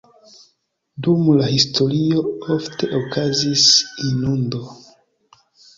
Dum la historio ofte okazis inundo.